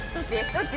どっち？